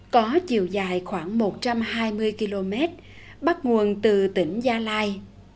có chiều dài khoảng một trăm hai mươi km bắt nguồn từ tỉnh gia lai